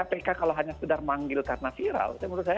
kpk kalau hanya sedang manggil karena viral